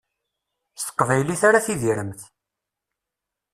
S teqbaylit ara tidiremt.